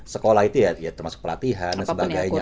sekolah itu ya termasuk pelatihan dan sebagainya